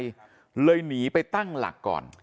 เลยหนีไปตั้งหลักก่อน